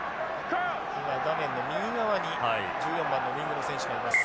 今画面の右側に１４番のウイングの選手がいます。